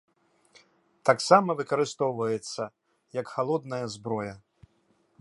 Таксама выкарыстоўваецца як халодная зброя.